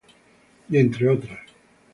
Y entre otras.